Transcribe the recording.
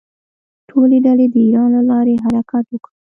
ټولې ډلې د ایران له لارې حرکت وکړ.